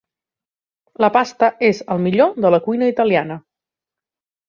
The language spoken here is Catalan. La pasta és el millor de la cuina italiana.